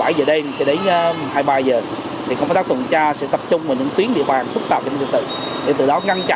tới giờ đêm tới đến hai mươi ba h thì công tác tuần tra sẽ tập trung vào những tuyến địa bàn phức tạp cho đối tượng